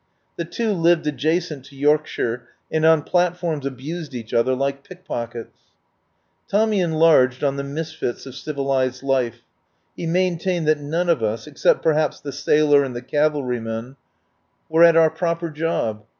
The two lived adjacent in Yorkshire, and on plat forms abused each other like pickpockets. Tommy enlarged on the misfits of civilised life. He maintained that none of us, except perhaps the sailor and the cavalryman, were IS THE POWER HOUSE at our proper job.